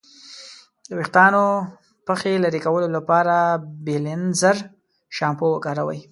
د ویښتانو پخې لرې کولو لپاره بیلینزر شامپو وکاروئ.